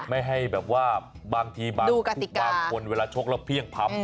ไม่ให้แบบว่าบางทีบางคนเวลาชกแล้วเพี่ยงพ้ำ